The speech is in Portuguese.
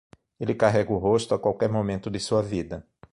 Ele carrega o rosto a qualquer momento de sua vida.